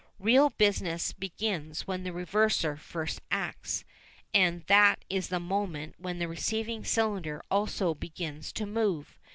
Real business begins when the reverser first acts, and that is the moment when the receiving cylinder also begins to move.